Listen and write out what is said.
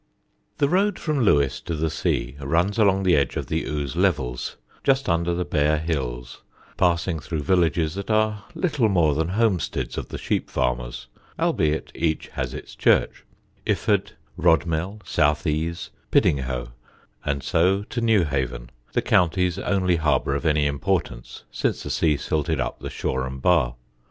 The road from Lewes to the sea runs along the edge of the Ouse levels, just under the bare hills, passing through villages that are little more than homesteads of the sheep farmers, albeit each has its church Iford, Rodmell, Southease, Piddinghoe and so to Newhaven, the county's only harbour of any importance since the sea silted up the Shoreham bar.